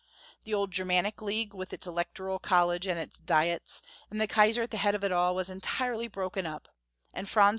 The old Germanic League, with its Electoral college and its Diets, and the Kaisar at the head of all, was entirely broken up, and Franz II.